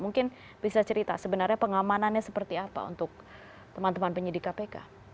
mungkin bisa cerita sebenarnya pengamanannya seperti apa untuk teman teman penyidik kpk